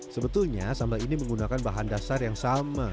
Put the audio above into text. sebetulnya sambal ini menggunakan bahan dasar yang sama